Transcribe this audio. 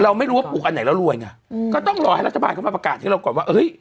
เราไม่รู้ว่าปลูกอันไหนแล้วรวยไงอืมก็ต้องรอให้รัฐบาลเข้ามาประกาศให้เราก่อนว่าเฮ้ย